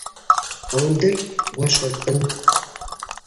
Ауандыр гвашв аркӏын.